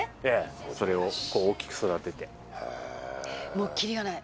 もうキリがない。